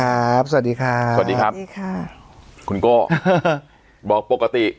สวัสดีค่ะสวัสดีครับสวัสดีค่ะคุณโก้บอกปกติ